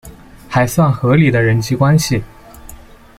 还算合理的人际关系